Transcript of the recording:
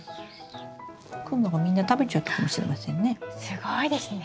クモがみんな食べちゃったかもしれませんね。